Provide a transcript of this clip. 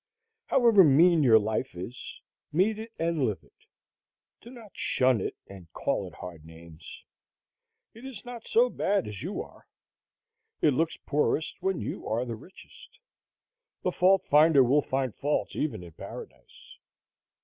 However mean your life is, meet it and live it; do not shun it and call it hard names. It is not so bad as you are. It looks poorest when you are richest. The fault finder will find faults even in paradise.